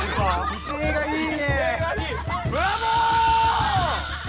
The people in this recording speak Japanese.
威勢がいい！